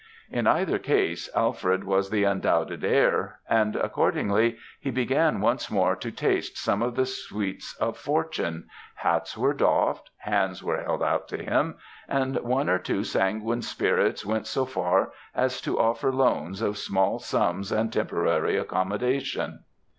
In either case, Alfred was the undoubted heir; and, accordingly, he began once more to taste some of the sweets of fortune; hats were doffed, hands were held out to him, and one or two sanguine spirits went so far as to offer loans of small sums and temporary accommodation.